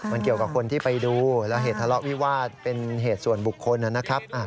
มันเกี่ยวกับคนที่ไปดูแล้วเหตุทะเลาะวิวาสเป็นเหตุส่วนบุคคลนะครับ